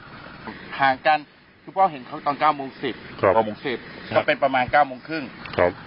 ก็ห่างกันทุกเปล่าเห็นเขาเก้าโมง๑๐สิบไปเก้าโมงครึ่ง